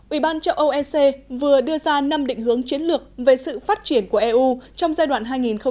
ủy ban châu âu ec vừa đưa ra năm định hướng chiến lược về sự phát triển của eu trong giai đoạn hai nghìn một mươi chín hai nghìn hai mươi bốn